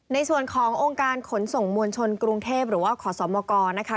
ในส่วนขององค์การขนส่งมวลชนกรุงเทพหรือว่าขอสมกนะคะ